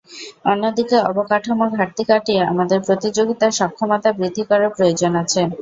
অন্যদিকে অবকাঠামো ঘাটতি কাটিয়ে আমাদের প্রতিযোগিতা সক্ষমতা বৃদ্ধি করার প্রয়োজন আছে।